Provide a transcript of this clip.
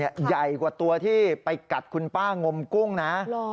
นี่ตัวนี้ที่จับได้ล่าสุดใหญ่กว่าตัวที่ไปกัดคุณป้างมกุ้งนะ